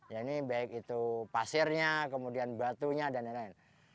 ya ini baik itu pasirnya kemudian batunya dan lain lain